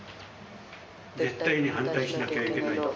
絶対に反対しなきゃいけない。